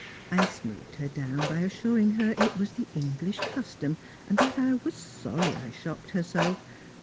I smoothed her down by assuring her it was the English custom, and that I was sorry I shocked her so.